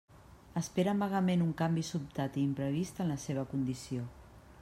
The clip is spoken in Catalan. Esperen vagament algun canvi sobtat i imprevist en la seva condició.